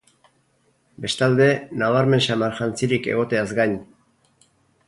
Bestalde, nabarmen samar jantzirik egoteaz gain.